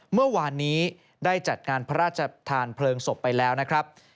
เมื่อวานนี้ได้จัดงานพระราชทานเพลิงศพไปแล้วนะครับ